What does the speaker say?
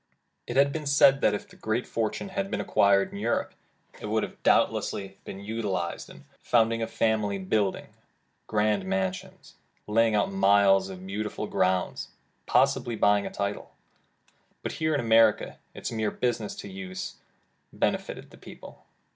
It has been said that if this great fortune had been acquired in Europe, it would doubtless have been util ized in ''founding a family, building grand mansions, 243 The Original John Jacob Astor laying out miles of beautiful grounds, posibly buying a title ;'' but here in America, its mere business use benefitted the people.